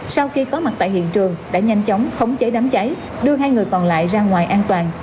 sau khi có mặt tại hiện trường đã nhanh chóng khống chế đám cháy đưa hai người còn lại ra ngoài an toàn